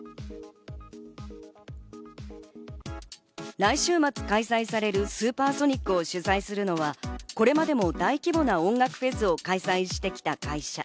来週末に開催されるスーパーソニックを主催するのはこれまでも大規模な音楽フェスを開催してきた会社。